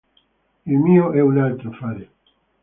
Il mio è un altro affare.